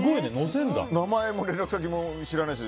名前も連絡先も知らないし。